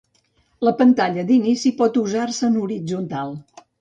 La pantalla d'inici pot usar-se en horitzontal.